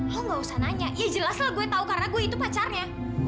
lo gausah nanya ya jelas lah gue tau karena gue itu pacarnya